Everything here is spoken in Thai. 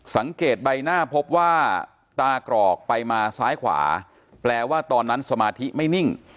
สังเกตใบหน้าพบว่าตากรอกไปมาซ้ายขวาแปลว่าตอนนั้นสมาธิไม่นิ่ง